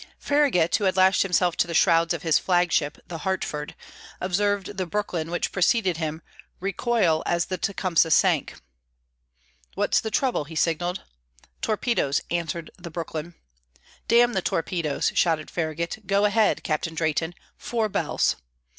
Farragut, who had lashed himself to the shrouds of his flagship, the Hartford, observed the Brooklyn, which preceded him, recoil as the Tecumseh sank. "What's the trouble?" he signalled. "Torpedoes!" answered the Brooklyn. "Damn the torpedoes!" shouted Farragut. "Go ahead, Captain Drayton! Four bells!"